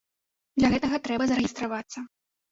Для гэтага трэба зарэгістравацца.